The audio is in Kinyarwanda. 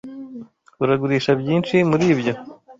Uragurisha byinshi muribyo?